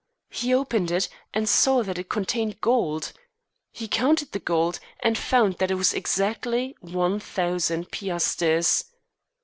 He opened it, and saw that it contained gold. He counted the gold and found that it was exactly one thousand piasters.